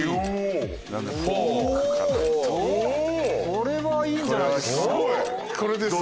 これはいいんじゃないですか？